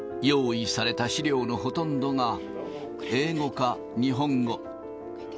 用意された資料のほとんどが英語か日本語。